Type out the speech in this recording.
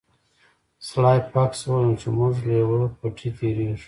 سلای فاکس وویل چې موږ به له یوه پټي تیریږو